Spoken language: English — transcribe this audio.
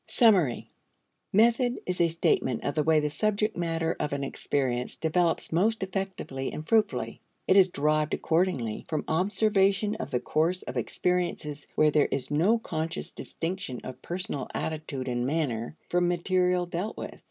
Summary. Method is a statement of the way the subject matter of an experience develops most effectively and fruitfully. It is derived, accordingly, from observation of the course of experiences where there is no conscious distinction of personal attitude and manner from material dealt with.